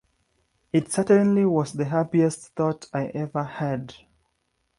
It certainly was the happiest thought I ever had.